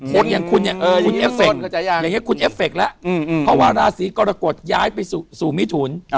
อย่างคุณเนี่ยคุณเอฟเฟคอย่างนี้คุณเอฟเฟคแล้วเพราะว่าราศีกรกฎย้ายไปสู่มิถุน